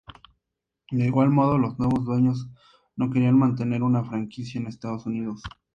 De igual modo, los nuevos dueños no querían mantener una franquicia en Estados Unidos.